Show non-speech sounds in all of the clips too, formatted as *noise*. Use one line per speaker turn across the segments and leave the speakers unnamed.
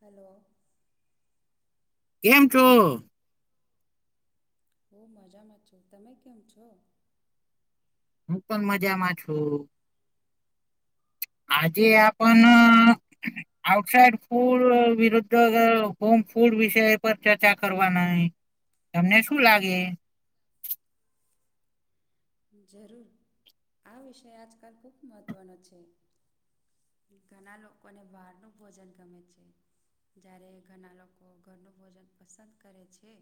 Hello.
કેમ છો.
બહુ મજામાં છો તમે કેમ છો.
હું પણ મજામાં છું. આજે આપણ ન આઉટ સાઇડ ફૂડ વિરુદ્ધ હોમ ફૂડ વિષય પર ચર્ચા કરવાના હિ તમને શું લાગે.
જરૂર આ વિષય આજકાલ ખુબ મહત્ત્વનો છે. ઘણા લોકોને બહારનું ભોજન ગમે છે. જ્યારે ઘણા લોકો ઘરનું ભોજન પસંદ કરે છે.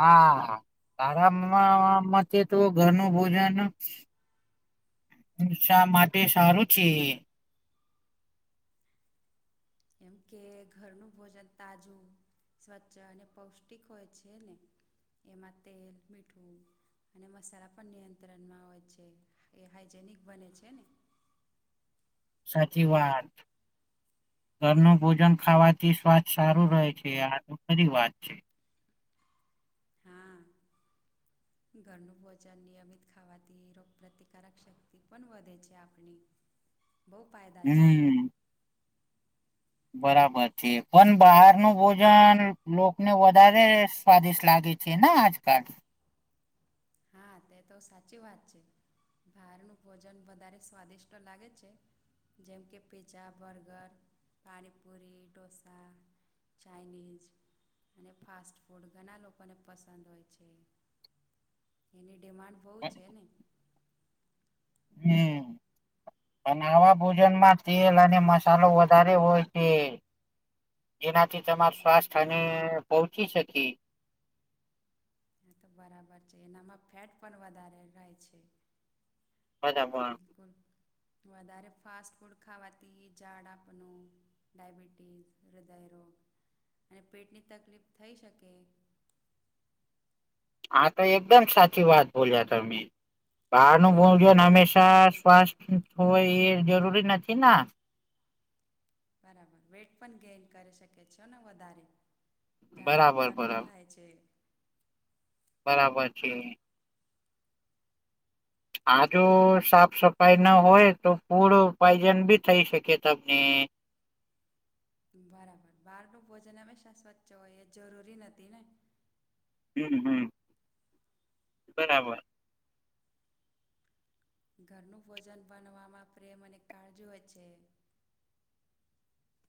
હા તારામાં મતે તો ઘર નુ ભોજન શા માટે સારું છે.
એમ કે ઘરનું ભોજન તાજું. સ્વચ્છ અને પૌષ્ટિક હોય છે ને એમાં તેલ મીઠું અને મસાલા પણ નિયંત્રણમાં હોય છે એ હાઈજેનિક બને છે ને.
સાચી વાત. ઘરનું ભોજન ખાવાથી સ્વાસ્થ સારું રહે છે આ તો ખરી વાત છે.
હા
*inaudible*
ઘરનું ભોજન નિયમિત ખાવાથી રોગપ્રતિકારક શક્તિ પણ વધે છે આપણી
*inaudible*
બહુ ફાયદા છે.
હમ્મ. બરાબર છે પણ બહાર નુ ભોજન લોકોકને વધારે સ્વાદિષ્ટ લાગે છે. છે ના આજકાલ
હા તે તો સાચી વાત છે. બહારનું ભોજન વધારે સ્વાદિષ્ટ લાગે છે. જેમ કે pizza burger panipuri dosa Chinese અને ફાસ્ટ ફૂડ ઘણા લોકોને પસંદ હોય છે. એની ડિમાન્ડ બહુ છે ને.
હમ્મ. પણ આવા ભોજન માં તેલ અને મસાલો વધારે હોય છે. જેનાથી તમારું
એ
સ્વાસ્થ્ય અને પહોચી શકે.
એ તો બરાબર છે એનામાં ફેટ પણ વધારે રહે છે.
બધા પણ
બિલકુલ વધારે ફાસ્ટ ફૂડ ખાવાથી ઝાડ આપનું ડાયબિટીસ હૃદયરોગ અને પેટની તકલીફ થઈ શકે
હા તો એકદમ સાચી વાત બોલ્યા તમે. બાર નું
અને આપણું
ભોજન
વેટ
હંમેશા
પણ ગેઇન થાય
સ્વસ્થ હોય એ જરૂરી નથી ના.
બરાબર વેઇટ પણ ગેઈન કરી શકે છે ને વધારે જાત
બરાબર
ચરબી
બરાબર
થાય છે.
બરાબર છે. આ જો સાફ સફાઈના હોય તો પુરો પાયજન બી થઈ શકે તમને
બરાબર બહાર નુ ભોજન હંમેશા સ્વચ્છ હોય એ જરૂરી નથી ને
હમ્મ હમ્મ. બરાબર
ઘરનું ભોજન બનવામાં પ્રેમ અને કાળજી હોય છે.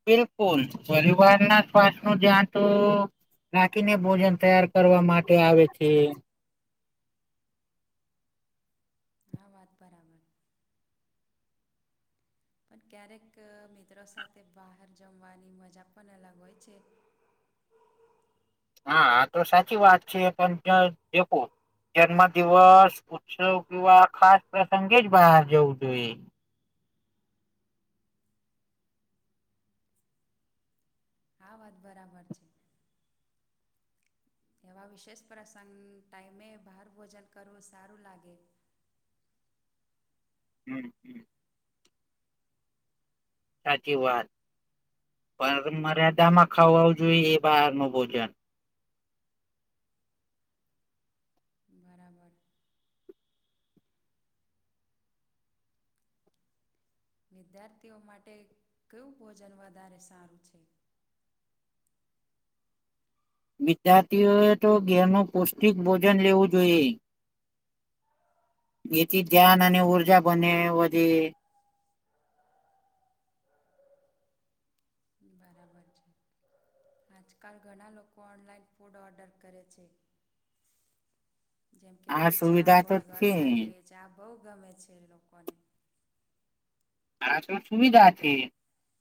બિલકુલ પરિવાર ના શ્વાસ નું જ્યાં તો રાખીને ભોજન તૈયાર કરવા માટે આવે છે.
હા વાત બરાબર. પણ ક્યારેક મિત્રો સાથે બહાર જમવાની મજા પણ અલગ હોય છે.
હા આતો સાચી વાત છે, પણ ત્યા દેખો જન્મ દિવસ ઉત્સવ કેવા ખાસ પ્રસંગે જ બહાર જવું જોએ
આ વાત બરાબર છે. એવા વિશેષ પ્રસંગ ટાઈમે બહાર ભોજન કરવું સારું લાગે
હમ હમ. સાચી વાત પણ મર્યાદામાં ખાવાવ જોઈએ એ બહારનુ ભોજન
બરાબર. વિદ્યાર્થીઓ માટે કયું ભોજન વધારે સારું છે?
વિદ્યાર્થીઓ એ તો ઘેર નો પૌષ્ટિક ભોજન લેવું જોઈએ એથી ધ્યાન અને ઉર્જા બને વધે
બરાબર છે, આજકાલ ઘણા લોકો ઓનલાઈન ફૂડ ઓર્ડર કરે છે. જેમ કે
આ
પિઝ્ઝા
સુવિધા તો
બર્ગર
છે
સેન્ડવીચ આ બો ગમે છે, લોકોને
*unintelligible* તો સુવિધા છે,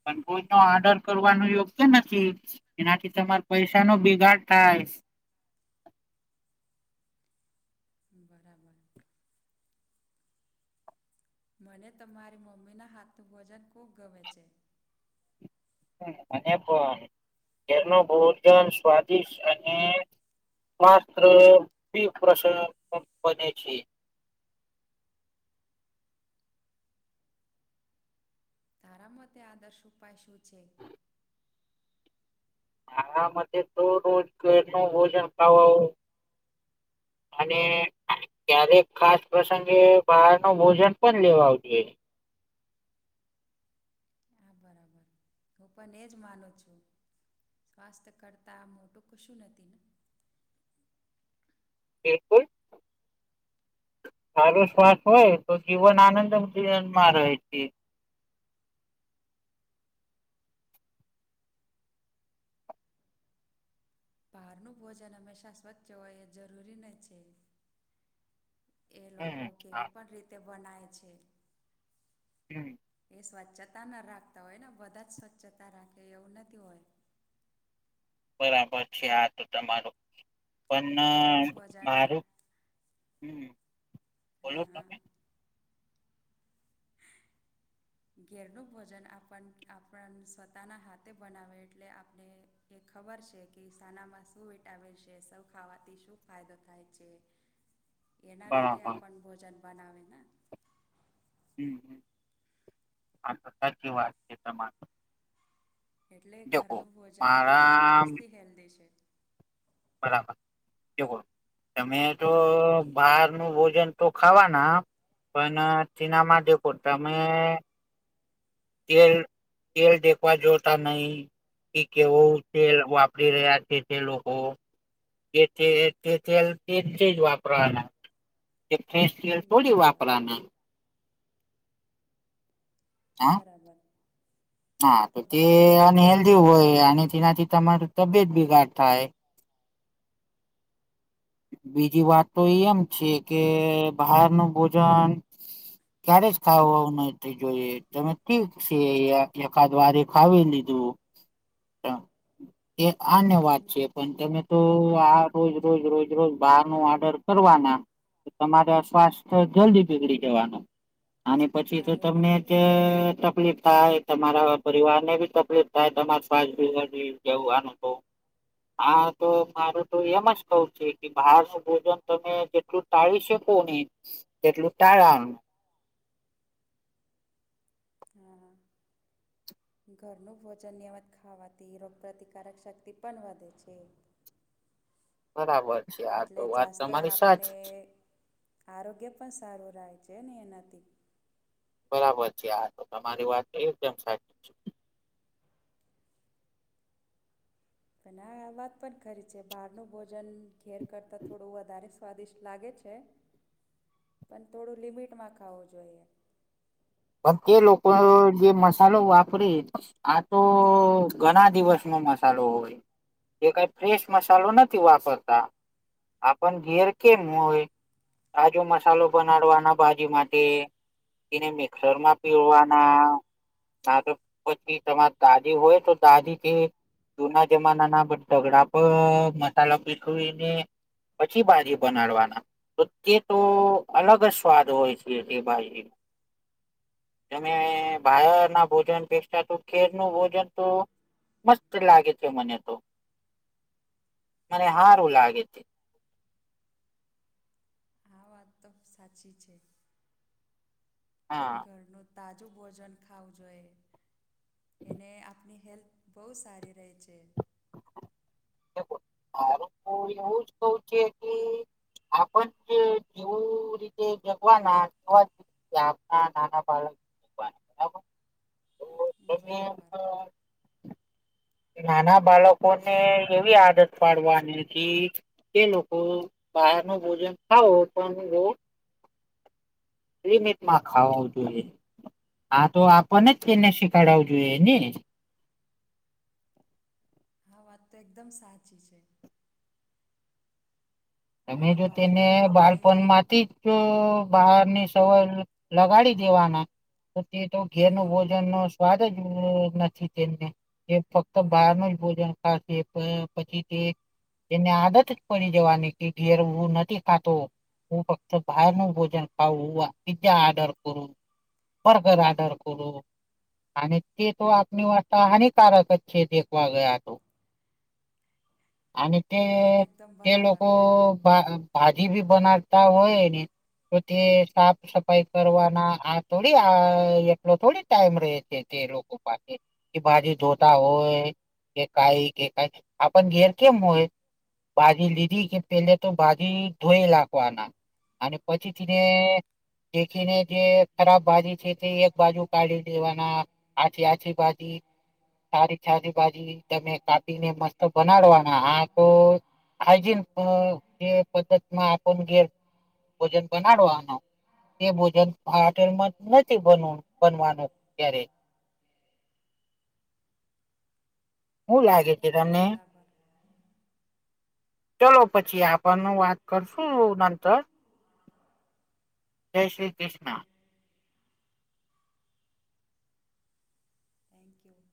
પણ કોય ન ઓર્ડર કરવાનું યોગય તો નથી એનાથી તમારે પૈસાનો ભિગાડ થાય
બરાબર. મને તમારી મમ્મીના હાથનું ભોજન ખુબ ગમે છે.
અને પ ધેરનું ભોજન સ્વાદિષ્ટ અને માત્ર *inaudible*
તારા મતે આદર્શ ઉપાય શું છે?
મારા મતે તો રોજ ધરનુ ભોજન ખાવો અને ક્યારેક ખાસ પ્રસંગે બહાર ન ભોજન પણ લેવાવ જોએ
આ બરાબર હું પન એ જ માનું છું. કાસ્ત કરતાં મોટું કશું નથી ને
એ *unintelligible* હારો શ્વાસ હોય તો જીવન આનંદ જીવનમાં રહે તી
બહારનું ભોજન હંમેશા સ્વચ્છ હોય એ જરૂરી ન છે. એ
હમ
લોકો
હા
કેવી પણ રીતે બનાય છે.
હમ
એ સ્વચ્છતા ન રાખતા હોય ને બધા જ સ્વચ્છતા રાખે એવું નથી હોય
બરાબર છે, આ તો તમારું પન
ઘેરનું ભોજન
મારું હમ.
હા
બોલો
હા.
તમે
ઘેરનું ભોજન આપણ આપણ સ્વતાના હાથે બનાવે એટલે આપણે એ ખબર છે, કે સાનામાં શું વિટામિન છે સૌ ખાવાથી શું ફાયદો થાય છે.
*inaudible*
એના રીતે
બરાબર
આપન ભોજન બનાવે ને
હમ આ તો સાચી વાત છે, તમા
એટલે ઘરનું ભોજન
મારા
જાસ્તી હેલ્ધી છે.
બરાબર એ *unintelligible* તમે તો બહારનું ભોજન તો ખાવાના. પણ તેના માટે બોલતા મેં. તેલ-તેલ દેખવા જોતા નહીં. કે કેવો તેલ વાપરી રહ્યા છે, તે લોકો એ *unintelligible* એજ વાપરવાના એ ફેશલ થોડી
બરાબર
વાપરાના હા
બરાબર.
હા તો તે અનહેેલ્ધી હોય અને તેનાથી તમાર તબિયત બીગાટ થાય બીજી વાત તો એ એમ છે, કે બહારનુ ભોજન ક્યારે જ ખાવવા ન તે જોઈએ. તમે ઠીક છે, એકાદ વારે ખાવી લીધું. એ આને વાત
હમ
છે. પણ તમે તો આ રોજ, રોજ, રોજ, રોજ બાર નો ઓર્ડર કરવાના. તમારે સ્વાસ્થ્ય જલ્દી બીગડી જવાનું. અને પછી તો
હા
તમને જ
એનાથી
તકલીફ થાય. તમારા પરિવાર ને બી તકલીફ થાય. તમારે શસ જવું આનું તો. હા, તો મારું તો એમ જ કઉ છે. બહાર નું ભોજન તમે જેટલું ટાળી શકો ને, તેટલું ટાળવાનું.
હા, હા. ઘરનું ભોજન નિયમિત ખાવાથી રોગપ્રતિકારક શક્તિ પણ વધે છે.
બરાબર છે. આ તો
એટલે
વાત
જાસ્ત
તમારી
આપણે
સાચી છે.
આરોગ્ય પણ સારું રહે છે ને, એનાથી.
બરાબર છે, આ તો તમારી વાત એકદમ સાચી છે.
અને આ વાત પણ ખરી છે. બહાર નુ ભોજન, ઘેર કરતા થોડું વધારે સ્વાદિષ્ટ લાગે છે, પણ થોડું લિમિટમાં ખાવું જોઈએ.
પણ તે લોકો જે મસાલો વાપરે આ તો ઘણા દિવસનો મસાલો હોય. એ કંઈ ફ્રેશ મસાલો નથી વાપરતા, આપણ ઘેર કેમ હોય. તાજો મસાલો બનાડવાના, બાજી માટે એને. ઘરમાં પીવવાના. ના, તો પછી તમારે દાદી હોય, તો દાદીથી. જૂના જમાનાના બગડા પર, મસાલા પીસવીને‌. પછી બાજી બનાડવાના. તો તે તો અલગ જ સ્વાદ હોય છે, તે ભાઈ. તમે બહાર ના ભોજન વેચતા, તો ખેર નું ભોજન તો. મસ્ત લાગે છે. મને તો, મને સારું લાગે છે.
હા, વાત તો સાચી છે.
હા
ઘરનો તાજું ભોજન ખાવું જોઈએ. એને આપની હેલ્થ બહુ સારી રહે છે.
મારું તો એવું જ કઉ છે કે આપણ જે જેવું રીતે જગવાનાવા કે, આપના નાના બાળકો, હમ.
બરાબર.
નાના બાળકો ને એવી આદત પાડવાની છે. એ લોકો બહાર નું ભોજન ખાવ તો લિમિટમાં ખાવું જોઈએ. હા, તો આપને જ તેને શીખડું જોઈએ ને.
હા, વાત તો એકદમ સાચી છે.
તમે
અને
જો તેને
બહારનું ખાવાની
બાળપણમાંથી જ તો બહારની સવાર લગાડી દેવાના. તે તો ઘેર ન
હા
ભોજન ન સ્વાદ જ નથી, તેમને. એ ફક્ત
હા
બહારનું જ ભોજન પછી તે એને આદત જ પડી જવાની. ઘેર નથી ખાતો. હું ફક્ત બહારનું ભોજન ખાઉ, પિઝા ઓર્ડર કરું. બર્ગર ઓડર કરો. અને તે તો આપણી વાસ્તા હાનિકારક જ છે. દેખવા ગયા તો. અને તે
આ વાત એકદમ
તે લોકો
બરાબર
તો ભાજી ભી બનાવતા હોયને તો તે સાફ સફાઈ કરવાના આ થોડી આ એટલો થોડી ટાઈમ રે છે તે લોક ઉપાય કે ભાજી ધોતા હોય કે કઈ કે કઈ આપણ ઘેરકેમ હોય બાજી લીધ કે પેલે તો બાાજી ધોઈ લખવાના અને પછી તેને દેખીને જે ખરાબ બાજી છે થી એક બાજુ કાઢી દેવાના આથી તાજી બાજી સારી છાની ભાજી તમે કાપીને મસ્ત બનાડવાના હા તો હાઈજીન જે પદ્ધતિમાં આપ ઘેર ભોજન બનાડવાનો એ ભોજન આ હોટેલ માં નથી બન બનવાનું ક્યારે શું લાગે છે
એકદમ
તમને
બરાબર
ચલો પછી આપણનું વાત કરશું નંતર જય શ્રી કૃષ્ણ
થેન્ક યુ